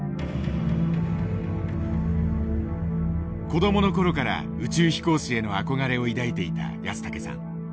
子どもの頃から宇宙飛行士への憧れを抱いていた安竹さん。